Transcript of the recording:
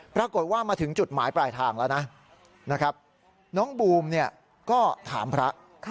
ปรากฏว่ามาถึงจุดหมายปลายทางแล้วนะน้องบูมก็ถามพระ